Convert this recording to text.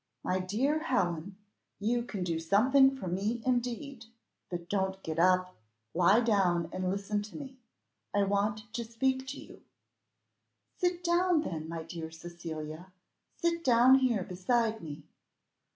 "My dear Helen, you can do something for me indeed. But don't get up. Lie down and listen to me. I want to speak to you." "Sit down, then, my dear Cecilia, sit down here beside me."